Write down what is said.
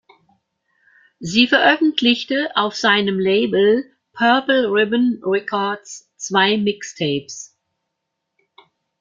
Sie veröffentlichte auf seinem Label „Purple Ribbon Records“ zwei Mixtapes.